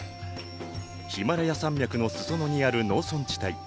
ヒマラヤ山脈の裾野にある農村地帯。